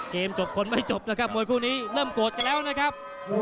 เกมจบคนไม่จบแล้วครับมวยคู่นี้เริ่มโกรธกันแล้วนะครับ